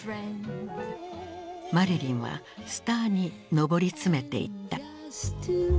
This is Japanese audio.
マリリンはスターに上り詰めていった。